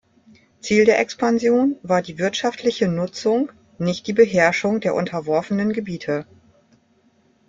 Ziel der Expansion war die wirtschaftliche Nutzung, nicht die Beherrschung der unterworfenen Gebiete.